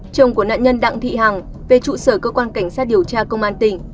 chồng của nạn nhân đặng thị hằng về trụ sở cơ quan cảnh sát điều tra công an tỉnh